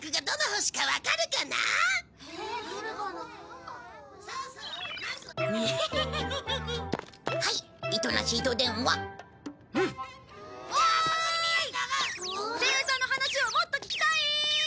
星座の話をもっと聞きたい？